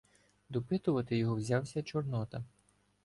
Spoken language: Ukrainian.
Допитувати його взявся Чорнота.